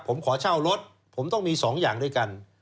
ผมขอเช่ารถผมต้องมี๒อย่างด้วยกัน